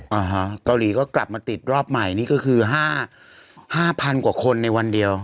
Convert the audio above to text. อ่าฮะเกาหลีก็กลับมาติดรอบใหม่นี่ก็คือห้าห้าพันกว่าคนในวันเดียว